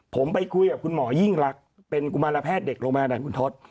ผมไปคุยกับคุณหมอยิ่งรักเป็นกุมารแพทย์เด็กโรงพยาบาลด่านคุณทศ